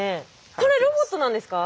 これロボットなんですか？